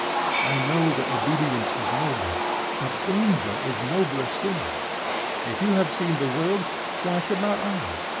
I know that obedience is noble; but danger is nobler still. If you have seen the world, why should not I?